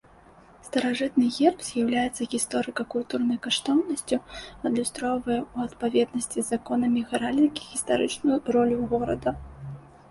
Старажытны герб з'яўляецца гісторыка-культурнай каштоўнасцю, адлюстроўвае ў адпаведнасці з законамі геральдыкі гістарычную ролю горада.